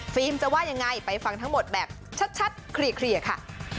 จะว่ายังไงไปฟังทั้งหมดแบบชัดเคลียร์ค่ะ